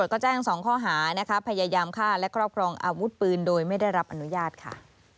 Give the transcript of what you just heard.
เจอยมากค่ะ